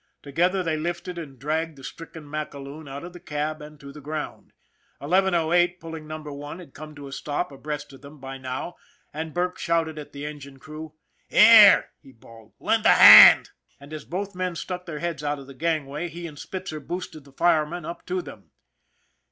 Together they lifted and dragged the stricken Mac Aloon out of the cab and to the ground. 1 108, pulling Number One, had come to a stop abreast of them by now, and Burke shouted at the engine crew. " Here !" he bawled. " Lend a hand !" And as both men stuck their heads out of the gangway, he and Spitzer boosted the fireman up to them.